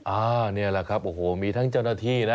อันนี้แหละครับโอ้โหมีทั้งเจ้าหน้าที่นะ